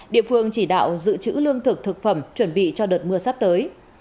địa phương chỉ đạo giữ chữ lương thực thực phẩm chuẩn bị cho đợt mưa sắp tới